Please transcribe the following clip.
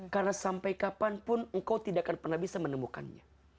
karena sampai kapanpun engkau tidak akan pernah bisa menemukannya